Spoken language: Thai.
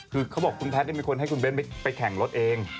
คือเขาบอกคุณแพทย์มีคนให้คุณเบ้นไปแข่งรถเอง